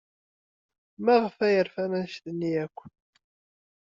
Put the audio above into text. Maɣef ay rfan anect-nni akk?